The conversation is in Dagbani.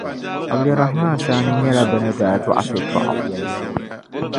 Abdul Rahaman Saani nyɛla bɛ ni daa dɔɣi so Choggu